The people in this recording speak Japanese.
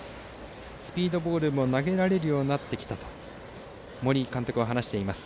スピードボールも投げられるようになってきたと森監督は話しています。